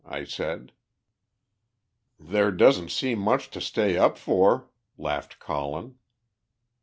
I said. "There doesn't seem much to stay up for," laughed Colin.